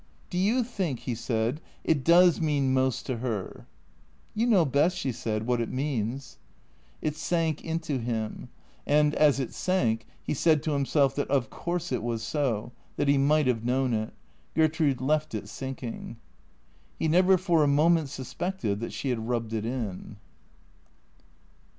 " Do you think," he said, " it does mean most to her ?"" You know best," she said, " what it means." It sank into him. And, as it sank, he said to himself that of course it was so ; that he might have known it. Gertrude left it sinking. He never for a moment suspected that she had rubbed it in.